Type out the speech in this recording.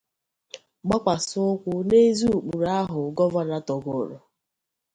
gbakwasa ụkwụ n'ezi ụkpụrụ ahụ Gọvanọ tọgòrò